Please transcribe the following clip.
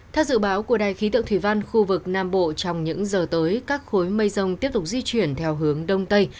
theo dự báo của đài khí tượng thủy văn khu vực nam bộ trong những giờ tới các khối mây rông tiếp tục di chuyển theo hướng đông tây